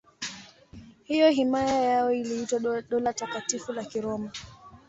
Hivyo himaya yao iliitwa Dola Takatifu la Kiroma.